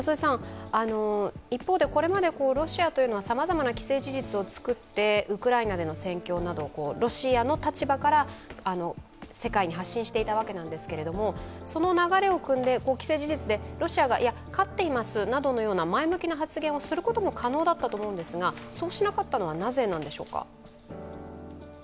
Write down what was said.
一方でこれまでロシアというのはさまざまな既成事実を作ってウクライナでの戦況などを、ロシアの立場から世界に発信していたわけなんですけれどもその流れをくんで、既成事実でロシアが、いや勝っていますなどの前向きな発言も可能だったと思うんですがそうしなかったのはなぜなんでしょうか。